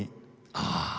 ああ！